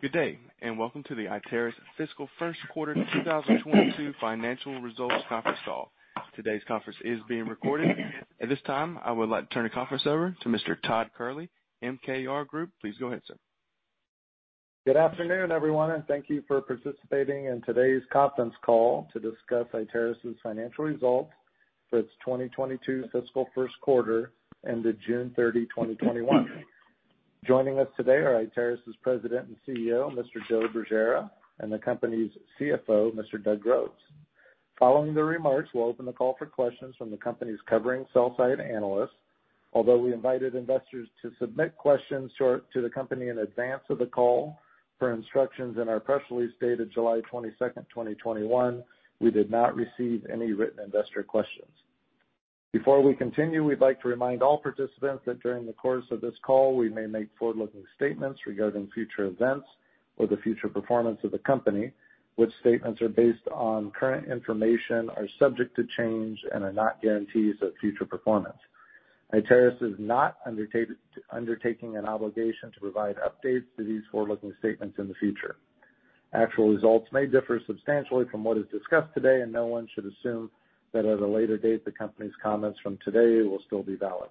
Good day. Welcome to the Iteris fiscal first quarter 2022 financial results conference call. Today's conference is being recorded. At this time, I would like to turn the conference over to Mr. Todd Kehrli, MKR Group. Please go ahead, sir. Good afternoon, everyone. Thank you for participating in today's conference call to discuss Iteris' financial results for its 2022 fiscal first quarter ended June 30, 2021. Joining us today are Iteris' President and CEO, Mr. Joe Bergera, and the company's CFO, Mr. Doug Groves. Following the remarks, we'll open the call for questions from the company's covering sell side analysts. Although we invited investors to submit questions to the company in advance of the call, per instructions in our press release dated July 22, 2021, we did not receive any written investor questions. Before we continue, we'd like to remind all participants that during the course of this call, we may make forward-looking statements regarding future events or the future performance of the company, which statements are based on current information, are subject to change, and are not guarantees of future performance. Iteris is not undertaking an obligation to provide updates to these forward-looking statements in the future. Actual results may differ substantially from what is discussed today, and no one should assume that at a later date, the company's comments from today will still be valid.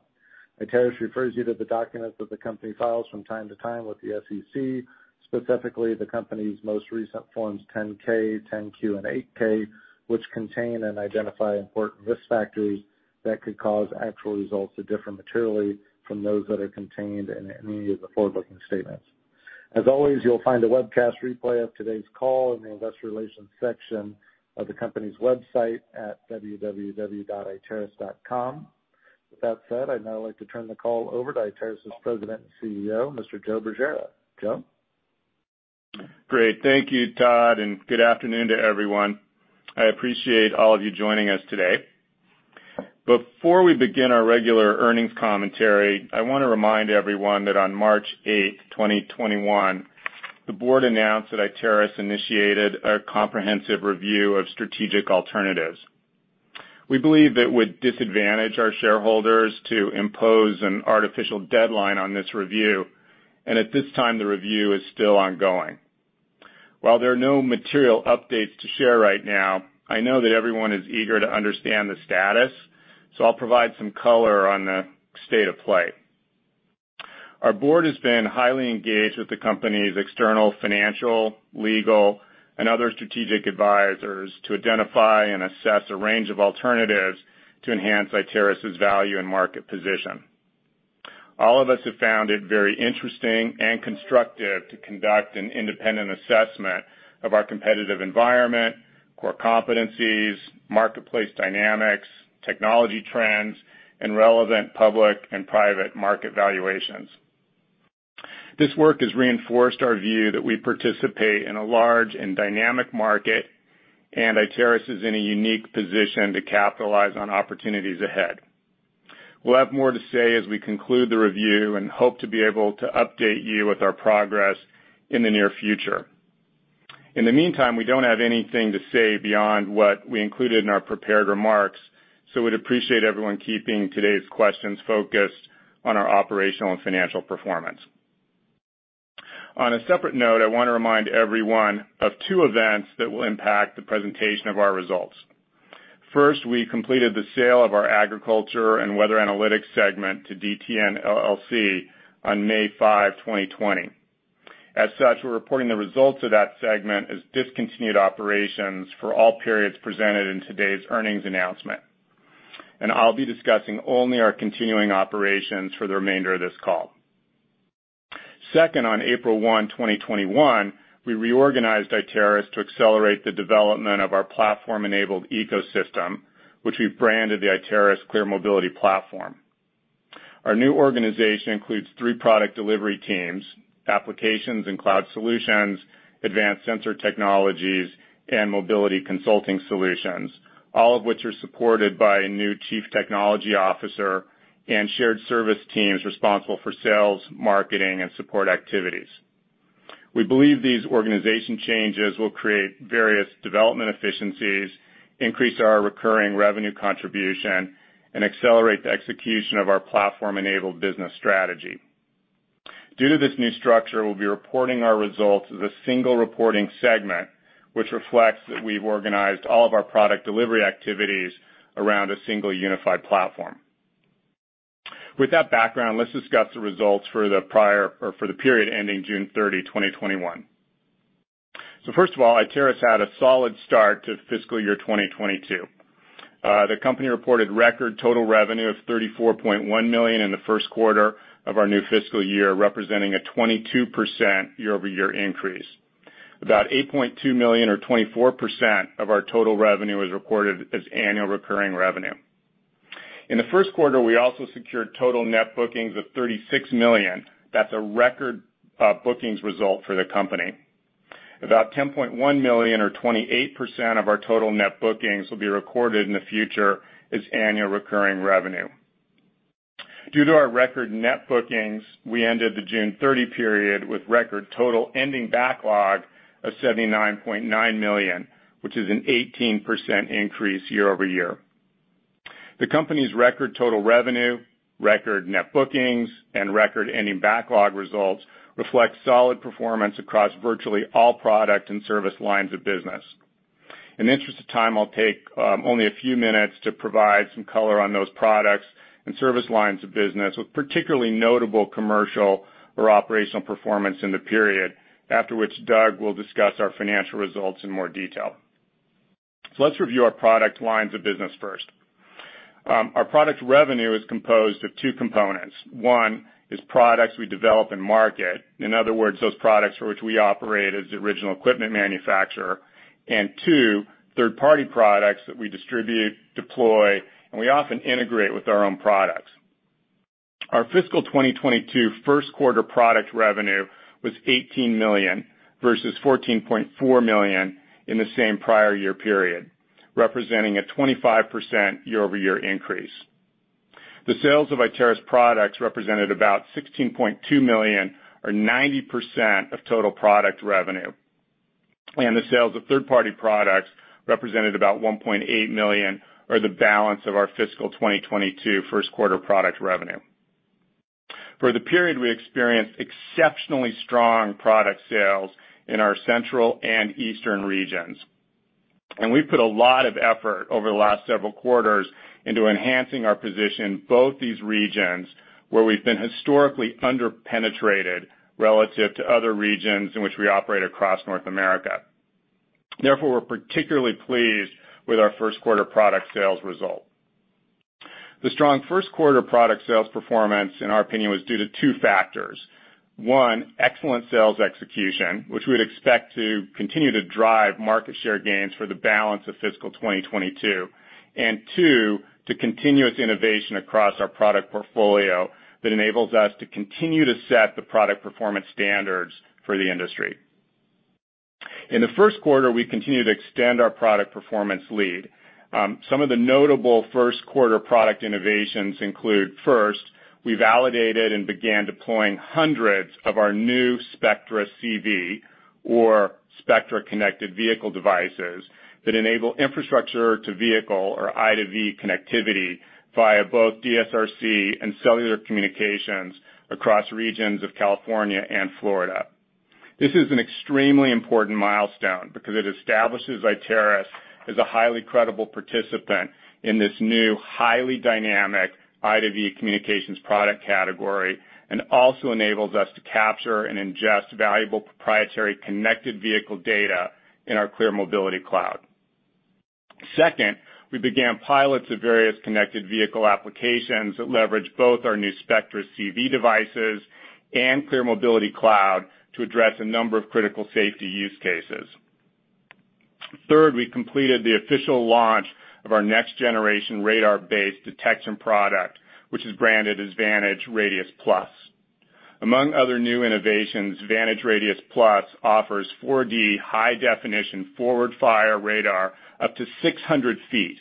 Iteris refers you to the documents that the company files from time to time with the SEC, specifically, the company's most recent Forms 10-K, 10-Q, and 8-K, which contain and identify important risk factors that could cause actual results to differ materially from those that are contained in any of the forward-looking statements. As always, you'll find a webcast replay of today's call in the investor relations section of the company's website at www.iteris.com. With that said, I'd now like to turn the call over to Iteris' President and CEO, Mr. Joe Bergera. Joe? Great. Thank you, Todd, and good afternoon to everyone. I appreciate all of you joining us today. Before we begin our regular earnings commentary, I want to remind everyone that on March 8th, 2021, the board announced that Iteris initiated a comprehensive review of strategic alternatives. We believe it would disadvantage our shareholders to impose an artificial deadline on this review, and at this time, the review is still ongoing. While there are no material updates to share right now, I know that everyone is eager to understand the status, so I'll provide some color on the state of play. Our board has been highly engaged with the company's external financial, legal, and other strategic advisors to identify and assess a range of alternatives to enhance Iteris' value and market position. All of us have found it very interesting and constructive to conduct an independent assessment of our competitive environment, core competencies, marketplace dynamics, technology trends, and relevant public and private market valuations. This work has reinforced our view that we participate in a large and dynamic market, and Iteris is in a unique position to capitalize on opportunities ahead. We'll have more to say as we conclude the review and hope to be able to update you with our progress in the near future. In the meantime, we don't have anything to say beyond what we included in our prepared remarks, so we'd appreciate everyone keeping today's questions focused on our operational and financial performance. On a separate note, I want to remind everyone of two events that will impact the presentation of our results. We completed the sale of our agriculture and weather analytics segment to DTN LLC on May 5, 2020. As such, we're reporting the results of that segment as discontinued operations for all periods presented in today's earnings announcement. I'll be discussing only our continuing operations for the remainder of this call. On April 1, 2021, we reorganized Iteris to accelerate the development of our platform-enabled ecosystem, which we've branded the Iteris ClearMobility Platform. Our new organization includes three product delivery teams, applications and cloud solutions, advanced sensor technologies, and mobility consulting solutions, all of which are supported by a new chief technology officer and shared service teams responsible for sales, marketing, and support activities. We believe these organization changes will create various development efficiencies, increase our recurring revenue contribution, and accelerate the execution of our platform-enabled business strategy. Due to this new structure, we'll be reporting our results as a single reporting segment, which reflects that we've organized all of our product delivery activities around a single unified platform. With that background, let's discuss the results for the period ending June 30, 2021. First of all, Iteris had a solid start to fiscal year 2022. The company reported record total revenue of $34.1 million in the first quarter of our new fiscal year, representing a 22% year-over-year increase. About $8.2 million or 24% of our total revenue was recorded as annual recurring revenue. In the first quarter, we also secured total net bookings of $36 million. That's a record bookings result for the company. About $10.1 million or 28% of our total net bookings will be recorded in the future as annual recurring revenue. Due to our record net bookings, we ended the June 30 period with record total ending backlog of $79.9 million, which is an 18% increase year-over-year. The company's record total revenue, record net bookings, and record ending backlog results reflect solid performance across virtually all product and service lines of business. In the interest of time, I'll take only a few minutes to provide some color on those products and service lines of business, with particularly notable commercial or operational performance in the period, after which Doug will discuss our financial results in more detail. Let's review our product lines of business first. Our product revenue is composed of two components. One is products we develop and market, in other words, those products for which we operate as the original equipment manufacturer. Two, third-party products that we distribute, deploy, and we often integrate with our own products. Our fiscal 2022 first quarter product revenue was $18 million, versus $14.4 million in the same prior year period, representing a 25% year-over-year increase. The sales of Iteris products represented about $16.2 million or 90% of total product revenue. The sales of third-party products represented about $1.8 million, or the balance of our fiscal 2022 first quarter product revenue. For the period, we experienced exceptionally strong product sales in our Central and Eastern regions. We've put a lot of effort over the last several quarters into enhancing our position both these regions, where we've been historically under-penetrated relative to other regions in which we operate across North America. Therefore, we're particularly pleased with our first quarter product sales result. The strong first quarter product sales performance, in our opinion, was due to two factors. One, excellent sales execution, which we'd expect to continue to drive market share gains for the balance of fiscal 2022. Two, the continuous innovation across our product portfolio that enables us to continue to set the product performance standards for the industry. In the first quarter, we continued to extend our product performance lead. Some of the notable first quarter product innovations include, first, we validated and began deploying hundreds of our new Spectra CV or Spectra Connected Vehicle devices that enable infrastructure to vehicle or I2V connectivity via both DSRC and cellular communications across regions of California and Florida. This is an extremely important milestone because it establishes Iteris as a highly credible participant in this new, highly dynamic I2V communications product category, and also enables us to capture and ingest valuable proprietary connected vehicle data in our ClearMobility Cloud. Second, we began pilots of various connected vehicle applications that leverage both our new Spectra CV devices and ClearMobility Cloud to address a number of critical safety use cases. Third, we completed the official launch of our next generation radar-based detection product, which is branded as VantageRadius+. Among other new innovations, VantageRadius+ offers 4D high-definition forward-fire radar up to 600 feet,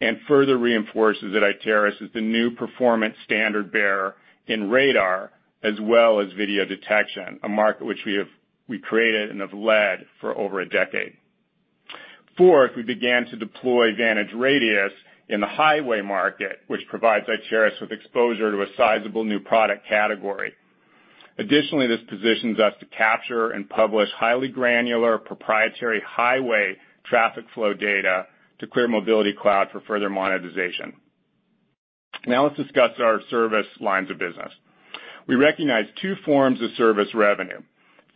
and further reinforces that Iteris is the new performance standard bearer in radar as well as video detection, a market which we created and have led for over a decade. Fourth, we began to deploy VantageRadius in the highway market, which provides Iteris with exposure to a sizable new product category. Additionally, this positions us to capture and publish highly granular proprietary highway traffic flow data to ClearMobility Cloud for further monetization. Now let's discuss our service lines of business. We recognize two forms of service revenue.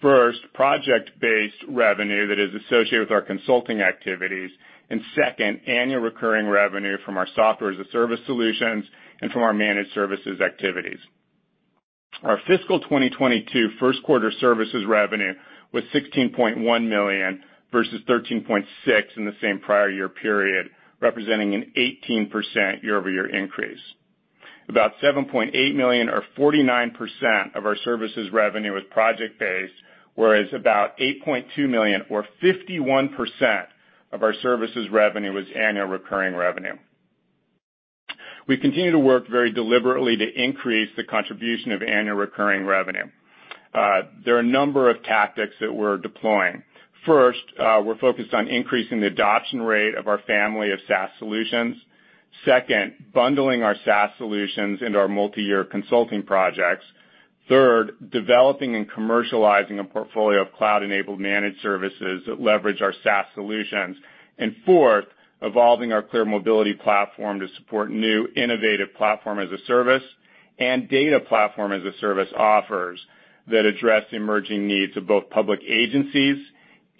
First, project-based revenue that is associated with our consulting activities, and second, annual recurring revenue from our Software-as-a-Service solutions and from our managed services activities. Our fiscal 2022 first quarter services revenue was $16.1 million, versus $13.6 million in the same prior year period, representing an 18% year-over-year increase. About $7.8 million or 49% of our services revenue was project-based, whereas about $8.2 million or 51% of our services revenue was annual recurring revenue. We continue to work very deliberately to increase the contribution of annual recurring revenue. There are a number of tactics that we're deploying. First, we're focused on increasing the adoption rate of our family of SaaS solutions. Second, bundling our SaaS solutions into our multi-year consulting projects. Third, developing and commercializing a portfolio of cloud-enabled managed services that leverage our SaaS solutions. Fourth, evolving our ClearMobility Platform to support new innovative platform-as-a-service and data platform-as-a-service offers that address the emerging needs of both public agencies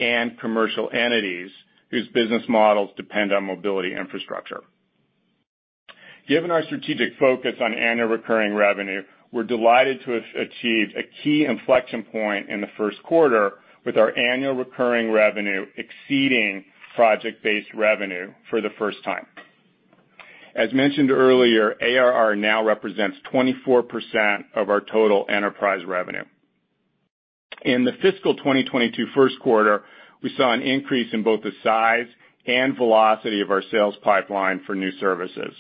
and commercial entities whose business models depend on mobility infrastructure. Given our strategic focus on annual recurring revenue, we're delighted to have achieved a key inflection point in the first quarter with our annual recurring revenue exceeding project-based revenue for the first time. As mentioned earlier, ARR now represents 24% of our total enterprise revenue. In the fiscal 2022 first quarter, we saw an increase in both the size and velocity of our sales pipeline for new services.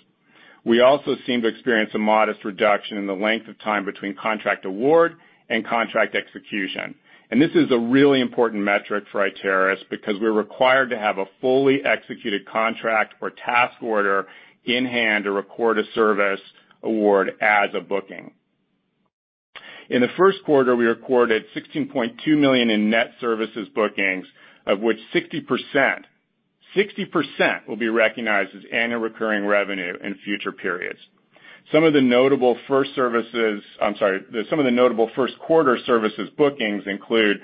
We also seem to experience a modest reduction in the length of time between contract award and contract execution. This is a really important metric for Iteris because we're required to have a fully executed contract or task order in hand to record a service award as a booking. In the first quarter, we recorded $16.2 million in net services bookings, of which 60% will be recognized as annual recurring revenue in future periods. Some of the notable first quarter services bookings include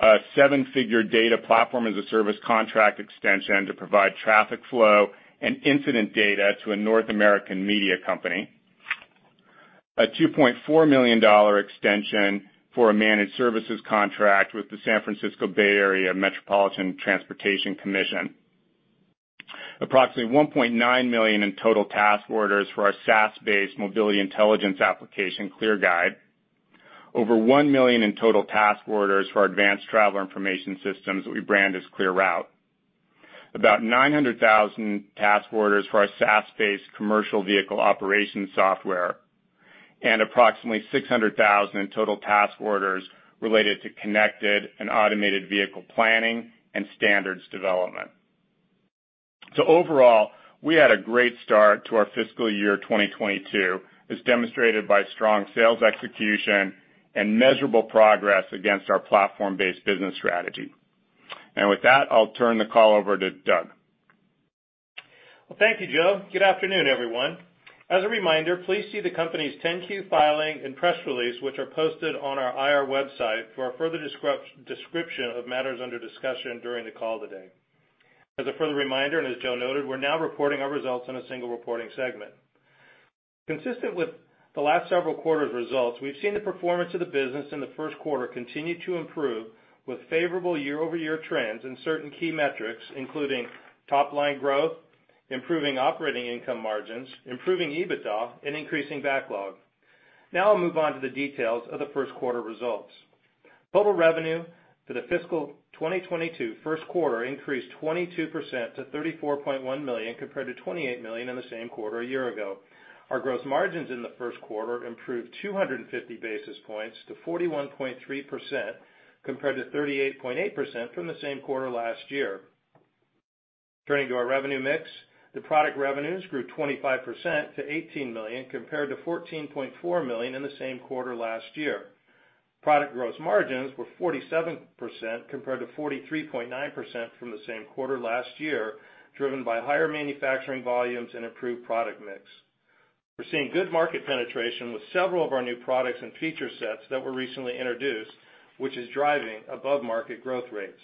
a seven-figure data platform as a service contract extension to provide traffic flow and incident data to a North American media company, a $2.4 million extension for a managed services contract with the San Francisco Bay Area Metropolitan Transportation Commission. Approximately $1.9 million in total task orders for our SaaS-based mobility intelligence application, ClearGuide. Over $1 million in total task orders for our advanced traveler information systems that we brand as ClearRoute. About $900,000 task orders for our SaaS-based commercial vehicle operations software, and approximately $600,000 in total task orders related to connected and automated vehicle planning and standards development. Overall, we had a great start to our fiscal year 2022, as demonstrated by strong sales execution and measurable progress against our platform-based business strategy. With that, I'll turn the call over to Doug. Well, thank you, Joe. Good afternoon, everyone. As a reminder, please see the company's 10-Q filing and press release, which are posted on our IR website for a further description of matters under discussion during the call today. As a further reminder, and as Joe noted, we're now reporting our results in a single reporting segment. Consistent with the last several quarters' results, we've seen the performance of the business in the first quarter continue to improve with favorable year-over-year trends in certain key metrics, including top-line growth, improving operating income margins, improving EBITDA, and increasing backlog. Now I'll move on to the details of the first quarter results. Total revenue for the fiscal 2022 first quarter increased 22% to $34.1 million compared to $28 million in the same quarter a year ago. Our gross margins in the first quarter improved 250 basis points to 41.3% compared to 38.8% from the same quarter last year. Turning to our revenue mix, the product revenues grew 25% to $18 million compared to $14.4 million in the same quarter last year. Product gross margins were 47% compared to 43.9% from the same quarter last year, driven by higher manufacturing volumes and improved product mix. We're seeing good market penetration with several of our new products and feature sets that were recently introduced, which is driving above-market growth rates.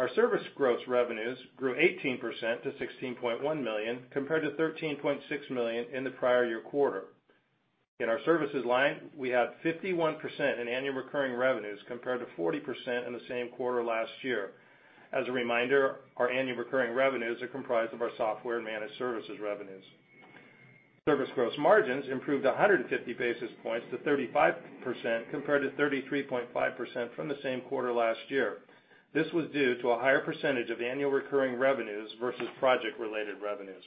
Our service gross revenues grew 18% to $16.1 million compared to $13.6 million in the prior year quarter. In our services line, we had 51% in annual recurring revenues compared to 40% in the same quarter last year. As a reminder, our annual recurring revenues are comprised of our software and managed services revenues. Service gross margins improved 150 basis points to 35% compared to 33.5% from the same quarter last year. This was due to a higher percentage of annual recurring revenues versus project-related revenues.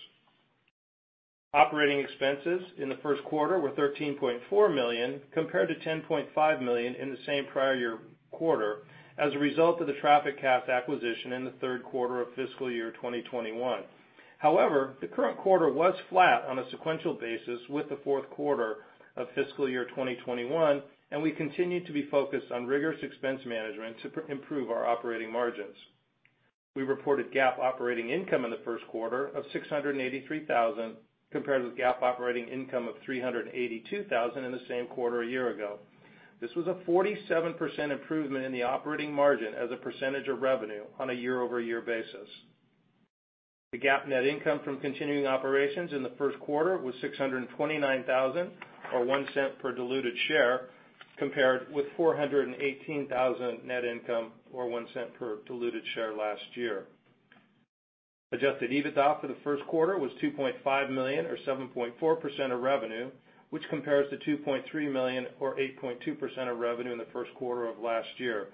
Operating expenses in the first quarter were $13.4 million compared to $10.5 million in the same prior year quarter as a result of the TrafficCast acquisition in the third quarter of fiscal year 2021. However, the current quarter was flat on a sequential basis with the fouth quarter of fiscal year 2021, and we continue to be focused on rigorous expense management to improve our operating margins. We reported GAAP operating income in the first quarter of $683,000 compared with GAAP operating income of $382,000 in the same quarter a year ago. This was a 47% improvement in the operating margin as a percentage of revenue on a year-over-year basis. The GAAP net income from continuing operations in the first quarter was $629,000 or $0.01 per diluted share compared with $418,000 net income or $0.01 per diluted share last year. Adjusted EBITDA for the first quarter was $2.5 million or 7.4% of revenue, which compares to $2.3 million or 8.2% of revenue in the first quarter of last year.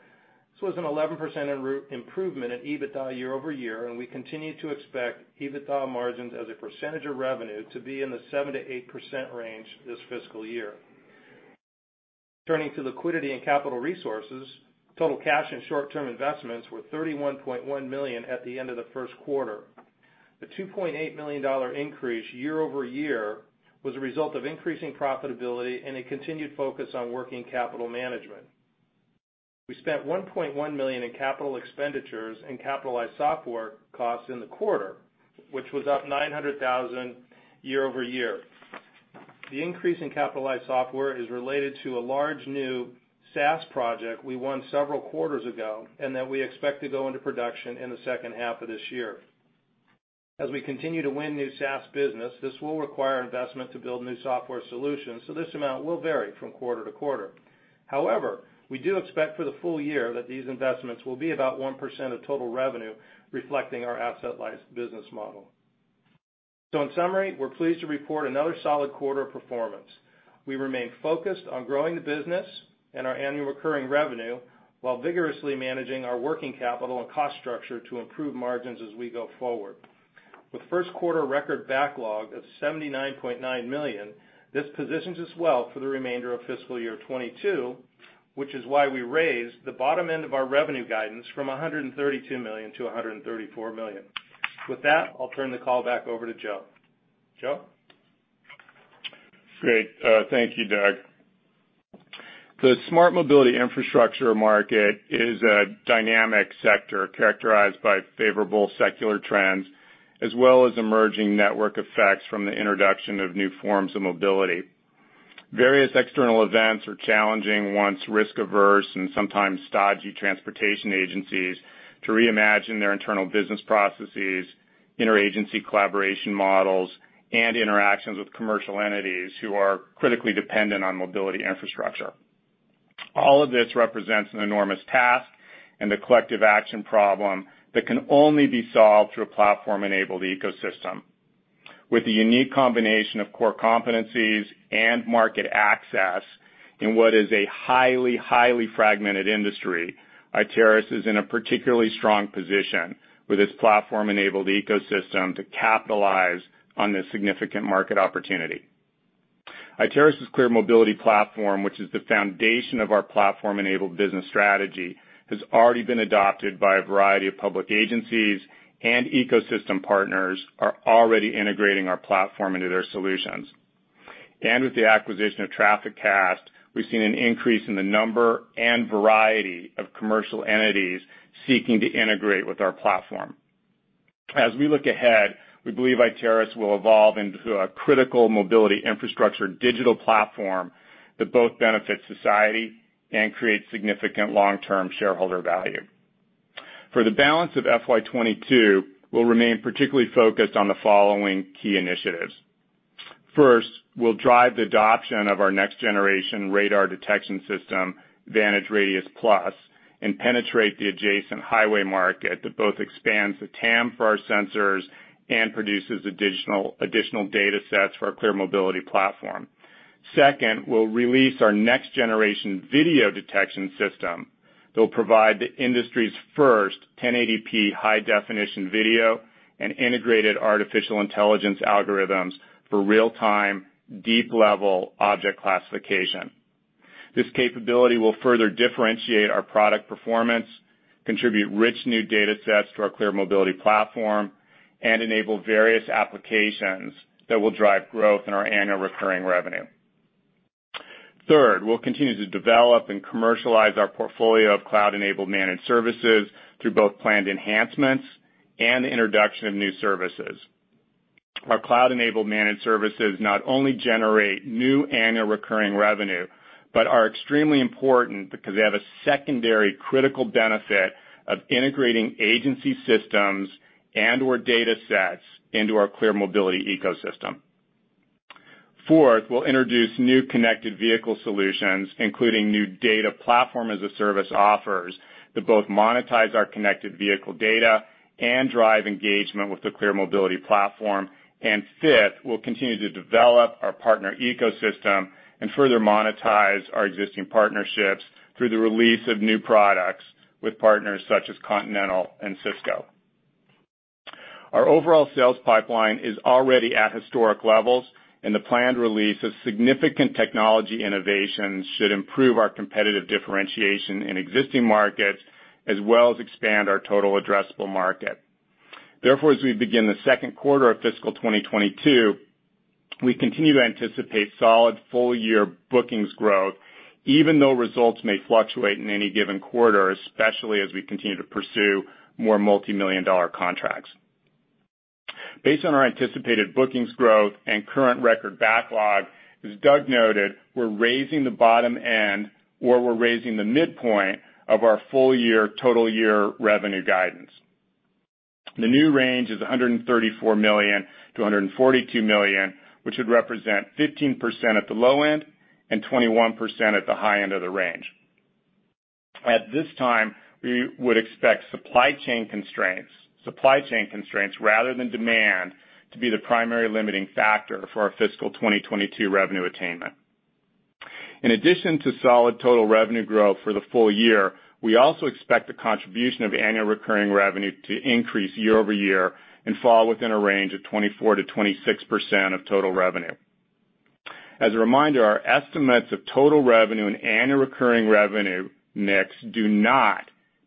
This was an 11% improvement in EBITDA year-over-year, and we continue to expect EBITDA margins as a percentage of revenue to be in the 7%-8% range this fiscal year. Turning to liquidity and capital resources, total cash and short-term investments were $31.1 million at the end of the first quarter. The $2.8 million increase year-over-year was a result of increasing profitability and a continued focus on working capital management. We spent $1.1 million in capital expenditures and capitalized software costs in the quarter, which was up $900,000 year-over-year. The increase in capitalized software is related to a large new SaaS project we won several quarters ago and that we expect to go into production in the second half of this year. As we continue to win new SaaS business, this will require investment to build new software solutions, so this amount will vary from quarter to quarter. However, we do expect for the full year that these investments will be about 1% of total revenue, reflecting our asset-light business model. In summary, we're pleased to report another solid quarter of performance. We remain focused on growing the business and our annual recurring revenue, while vigorously managing our working capital and cost structure to improve margins as we go forward. With first quarter record backlog of $79.9 million, this positions us well for the remainder of fiscal year 2022, which is why we raised the bottom end of our revenue guidance from $132 million to $134 million. With that, I'll turn the call back over to Joe. Joe? Great. Thank you, Doug. The smart mobility infrastructure market is a dynamic sector characterized by favorable secular trends as well as emerging network effects from the introduction of new forms of mobility. Various external events are challenging once risk-averse and sometimes stodgy transportation agencies to reimagine their internal business processes, interagency collaboration models, and interactions with commercial entities who are critically dependent on mobility infrastructure. All of this represents an enormous task and a collective action problem that can only be solved through a platform-enabled ecosystem. With the unique combination of core competencies and market access in what is a highly fragmented industry, Iteris is in a particularly strong position with its platform-enabled ecosystem to capitalize on this significant market opportunity. Iteris' ClearMobility Platform, which is the foundation of our platform-enabled business strategy, has already been adopted by a variety of public agencies, ecosystem partners are already integrating our platform into their solutions. With the acquisition of TrafficCast, we've seen an increase in the number and variety of commercial entities seeking to integrate with our platform. As we look ahead, we believe Iteris will evolve into a critical mobility infrastructure digital platform that both benefits society and creates significant long-term shareholder value. For the balance of FY 2022, we'll remain particularly focused on the following key initiatives. First, we'll drive the adoption of our next-generation radar detection system, VantageRadius+, and penetrate the adjacent highway market that both expands the TAM for our sensors and produces additional datasets for our ClearMobility Platform. Second, we'll release our next-generation video detection system that will provide the industry's first 1080p high-definition video and integrated artificial intelligence algorithms for real-time, deep-level object classification. This capability will further differentiate our product performance, contribute rich new datasets to our ClearMobility Platform, and enable various applications that will drive growth in our annual recurring revenue. Third, we'll continue to develop and commercialize our portfolio of cloud-enabled managed services through both planned enhancements and the introduction of new services. Our cloud-enabled managed services not only generate new annual recurring revenue, but are extremely important because they have a secondary critical benefit of integrating agency systems and/or datasets into our ClearMobility ecosystem. Fourth, we'll introduce new connected vehicle solutions, including new data platform as a service offers that both monetize our connected vehicle data and drive engagement with the ClearMobility Platform. Fifth, we'll continue to develop our partner ecosystem and further monetize our existing partnerships through the release of new products with partners such as Continental and Cisco. Our overall sales pipeline is already at historic levels, the planned release of significant technology innovations should improve our competitive differentiation in existing markets, as well as expand our total addressable market. Therefore, as we begin the second quarter of fiscal 2022, we continue to anticipate solid full-year bookings growth, even though results may fluctuate in any given quarter, especially as we continue to pursue more multi-million-dollar contracts. Based on our anticipated bookings growth and current record backlog, as Doug noted, we're raising the bottom end, or we're raising the midpoint of our full-year total year revenue guidance. The new range is $134 million-$142 million, which would represent 15% at the low end and 21% at the high end of the range. At this time, we would expect supply chain constraints rather than demand to be the primary limiting factor for our fiscal 2022 revenue attainment. In addition to solid total revenue growth for the full year, we also expect the contribution of annual recurring revenue to increase year-over-year and fall within a range of 24%-26% of total revenue. As a reminder, our estimates of total revenue and annual recurring revenue mix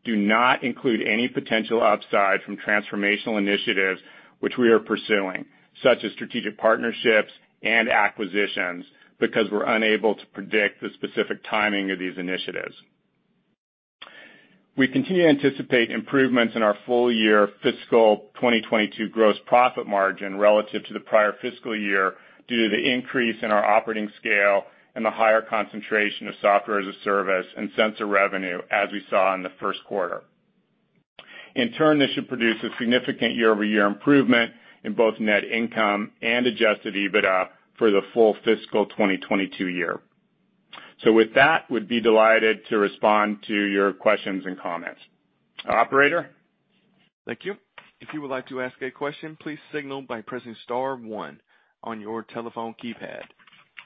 do not include any potential upside from transformational initiatives which we are pursuing, such as strategic partnerships and acquisitions, because we're unable to predict the specific timing of these initiatives. We continue to anticipate improvements in our full-year fiscal 2022 gross profit margin relative to the prior fiscal year due to the increase in our operating scale and the higher concentration of software as a service and sensor revenue, as we saw in the first quarter. In turn, this should produce a significant year-over-year improvement in both net income and Adjusted EBITDA for the full fiscal 2022 year. With that, we'd be delighted to respond to your questions and comments. Operator? Thank you. If you would like to asked a question please signal by pressing star one your telephone keypad.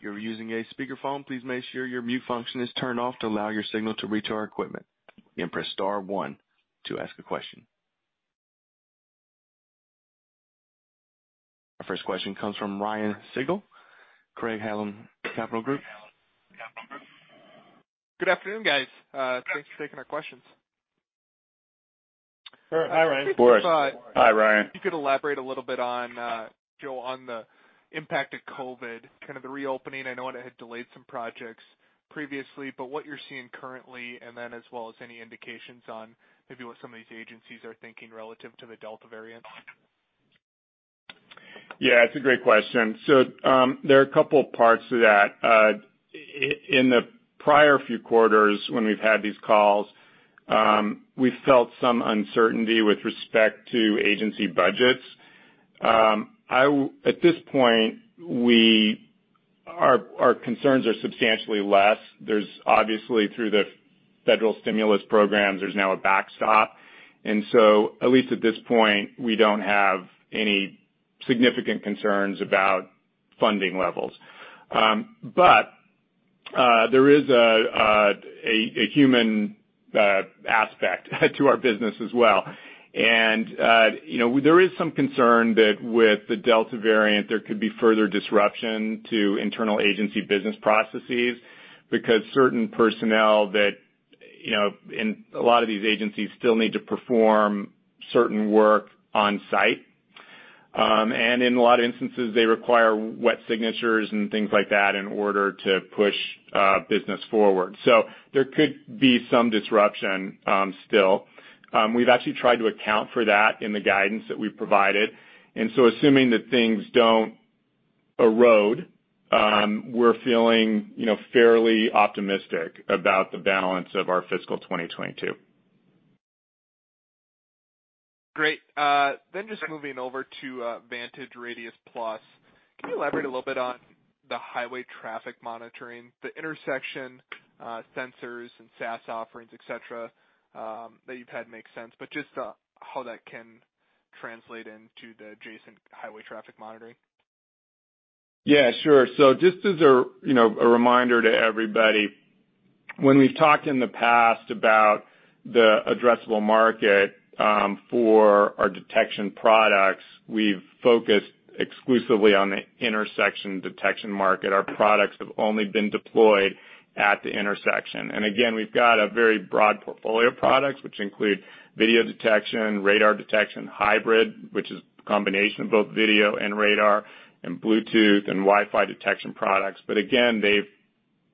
You are using speaker phone please make sure your is [inaudible] turn on to allow your signal to reach our equipment. And press star one to asked a question. Our first question comes from Ryan Sigdahl, Craig-Hallum Capital Group. Good afternoon, guys. Thanks for taking our questions. Sure. Hi, Ryan. Of course. Hi, Ryan. If you could elaborate a little bit on, Joe, on the impact of COVID, kind of the reopening, I know it had delayed some projects previously, but what you're seeing currently, and then as well as any indications on maybe what some of these agencies are thinking relative to the Delta variant? Yeah, it's a great question. There are couple of parts to that. In the prior few quarters when we've had these calls, we felt some uncertainty with respect to agency budgets. At this point, our concerns are substantially less. There's obviously, through the federal stimulus programs, there's now a backstop, at least at this point, we don't have any significant concerns about funding levels. There is a human aspect to our business as well. There is some concern that with the Delta variant, there could be further disruption to internal agency business processes because certain personnel that, in a lot of these agencies still need to perform certain work on site. In a lot of instances, they require wet signatures and things like that in order to push business forward. There could be some disruption still. We've actually tried to account for that in the guidance that we've provided, and so assuming that things don't erode, we're feeling fairly optimistic about the balance of our fiscal 2022. Great. Just moving over to VantageRadius+. Can you elaborate a little bit on the highway traffic monitoring, the intersection sensors and SaaS offerings, et cetera that you've had make sense, but just how that can translate into the adjacent highway traffic monitoring? Yeah, sure. Just as a reminder to everybody, when we've talked in the past about the addressable market for our detection products, we've focused exclusively on the intersection detection market. Our products have only been deployed at the intersection. Again, we've got a very broad portfolio of products, which include video detection, radar detection, hybrid, which is a combination of both video and radar, and Bluetooth and Wi-Fi detection products. Again, they've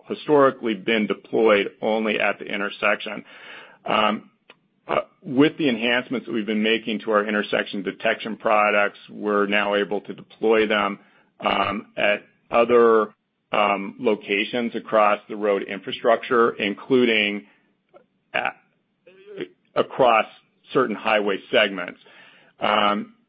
historically been deployed only at the intersection. With the enhancements that we've been making to our intersection detection products, we're now able to deploy them at other locations across the road infrastructure, including across certain highway segments.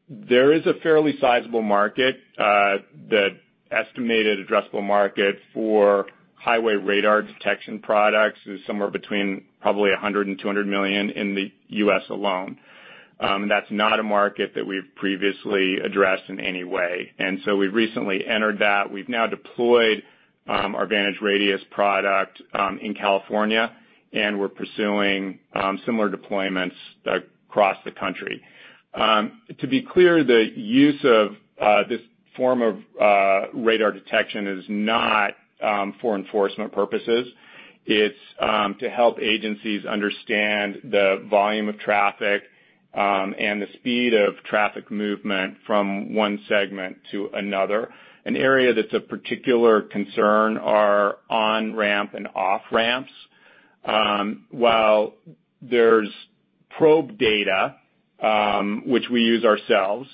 There is a fairly sizable market. The estimated addressable market for highway radar detection products is somewhere between probably $100 million-$200 million in the U.S. alone. That's not a market that we've previously addressed in any way. We've recently entered that. We've now deployed our VantageRadius product in California, and we're pursuing similar deployments across the country. To be clear, the use of this form of radar detection is not for enforcement purposes. It's to help agencies understand the volume of traffic and the speed of traffic movement from one segment to another. An area that's of particular concern are on-ramp and off-ramps. While there's probe data, which we use ourselves,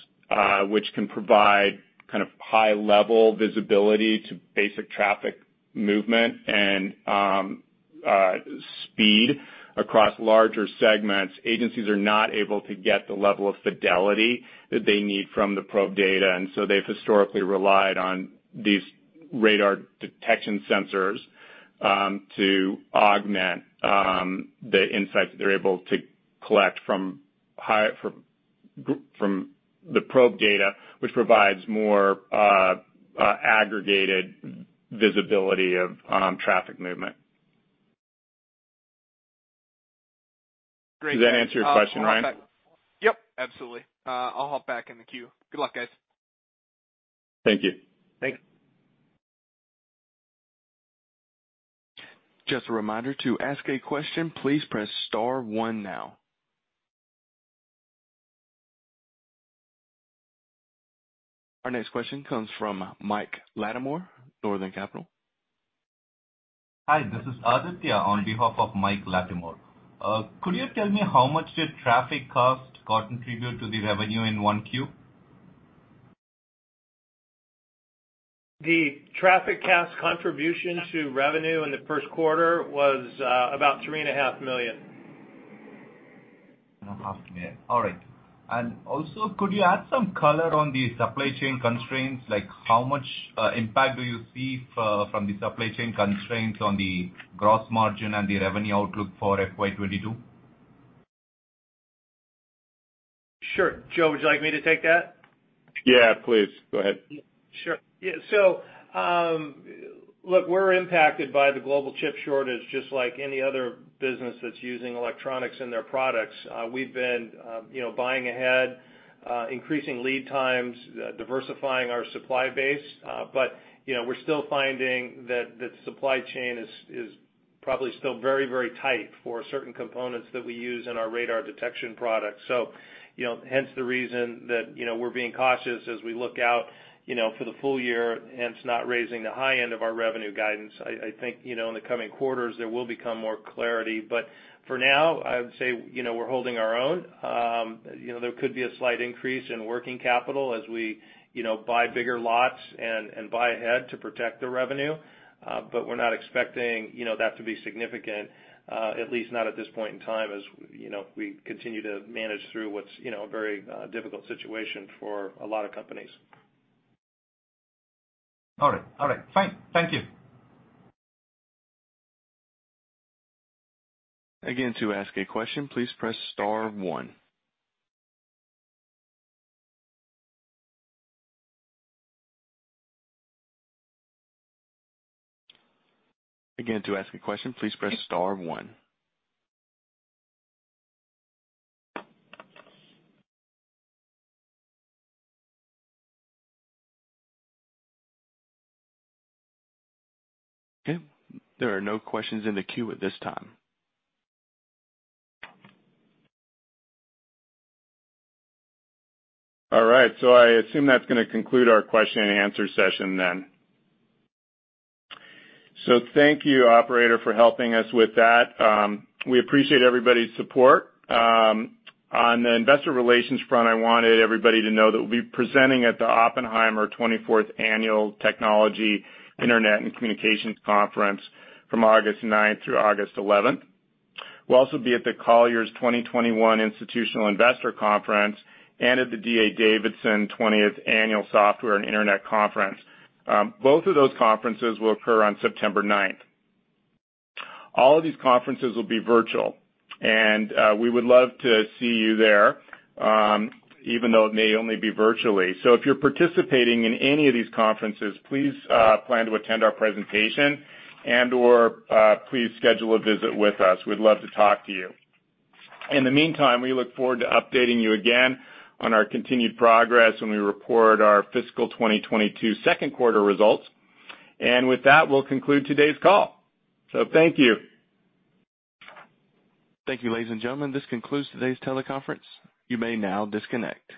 which can provide kind of high-level visibility to basic traffic movement and speed across larger segments, agencies are not able to get the level of fidelity that they need from the probe data. They've historically relied on these radar detection sensors to augment the insights that they're able to collect from the probe data, which provides more aggregated visibility of traffic movement. Great. Does that answer your question, Ryan? Yep, absolutely. I'll hop back in the queue. Good luck, guys. Thank you. Thanks. Just a reminder, to ask a question, please press star one now. Our next question comes from Mike Latimore, Northland Capital Markets. Hi, this is Aditya on behalf of Mike Latimore. Could you tell me how much did TrafficCast contribute to the revenue in Q1? The TrafficCast contribution to revenue in the first quarter was about $3.5 million. Afternoon. All right. Also, could you add some color on the supply chain constraints? Like how much impact do you see from the supply chain constraints on the gross margin and the revenue outlook for FY 2022? Sure. Joe, would you like me to take that? Yeah, please. Go ahead. Sure. Yeah. Look, we're impacted by the global chip shortage just like any other business that's using electronics in their products. We've been buying ahead, increasing lead times, diversifying our supply base. We're still finding that the supply chain is probably still very tight for certain components that we use in our radar detection products. Hence the reason that we're being cautious as we look out for the full year, hence not raising the high end of our revenue guidance. I think, in the coming quarters, there will become more clarity. For now, I would say we're holding our own. There could be a slight increase in working capital as we buy bigger lots and buy ahead to protect the revenue. We're not expecting that to be significant, at least not at this point in time, as we continue to manage through what's a very difficult situation for a lot of companies. All right. Fine. Thank you. Again to asked a question please press star one. Okay, there are no questions in the queue at this time. All right. I assume that's going to conclude our question-and-answer session then. Thank you, operator, for helping us with that. We appreciate everybody's support. On the investor relations front, I wanted everybody to know that we'll be presenting at the Oppenheimer 24th Annual Technology, Internet, and Communications Conference from August 9th through August 11th. We'll also be at the Colliers 2021 Institutional Investor Conference and at the D.A. Davidson 20th Annual Software and Internet Conference. Both of those conferences will occur on September 9th. All of these conferences will be virtual, and we would love to see you there, even though it may only be virtually. If you're participating in any of these conferences, please plan to attend our presentation and/or please schedule a visit with us. We'd love to talk to you. In the meantime, we look forward to updating you again on our continued progress when we report our fiscal 2022 second quarter results. With that, we'll conclude today's call. Thank you. Thank you, ladies and gentlemen. This concludes today's teleconference. You may now disconnect.